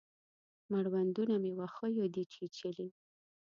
مړوندونه مې وښیو دی چیچلي